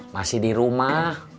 masih di rumah